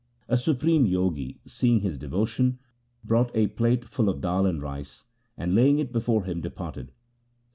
A supreme Jogi, seeing his devotion, brought a plate full of dal and rice, and laying it before him de parted.